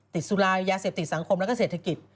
สุรายาเสพติดสังคมและเศรษฐกิจ